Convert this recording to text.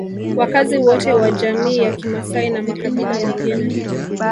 Wakazi wote wa jamii ya kimasai na makabila mengine